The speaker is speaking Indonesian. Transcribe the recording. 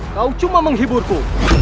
kau cuma menghiburku